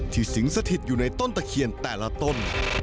สิงสถิตอยู่ในต้นตะเคียนแต่ละต้น